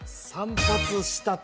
「散髪したて」